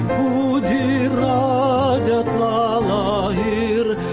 kuji raja telah lahir